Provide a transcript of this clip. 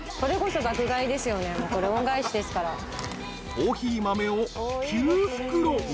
［コーヒー豆を９袋］